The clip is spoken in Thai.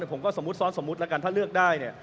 ผมก็สอนสมมติละกันถ้าเลือกได้เนี่ย